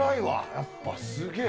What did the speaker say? やっぱすげぇ。